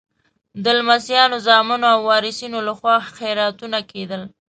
د لمسیانو، زامنو او وارثینو لخوا خیراتونه کېدل.